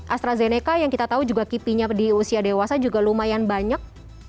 astrazeneca yang kita tahu juga kipinya di usia dewasa juga lumayan banyak